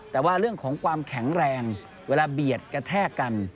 แต่ว่าเรื่องของความแข็งแรงเวลาเบียดกระแทกกัน